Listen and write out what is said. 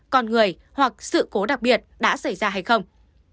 con người hoặc sự cố đặc biệt đã xảy ra hay không